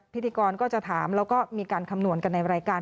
พิธีกรก็จะถามแล้วก็มีการคำนวณกันในรายการ